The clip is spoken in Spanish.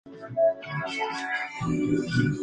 Es la primera mujer ecuatoriana en alcanzar el título.